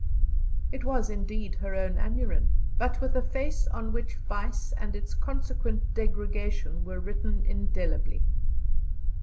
It was indeed her own Aneurin, but with a face on which vice and its consequent degradation were written indelibly.